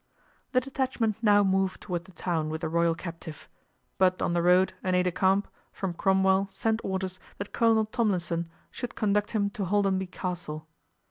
The detachment now moved toward the town with the royal captive; but on the road an aide de camp, from Cromwell, sent orders that Colonel Tomlison should conduct him to Holdenby Castle.